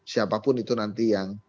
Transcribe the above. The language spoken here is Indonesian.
siapapun itu nanti yang